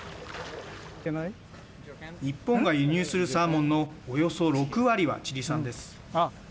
日本が輸入するサーモンのおよそ６割はチリ産です。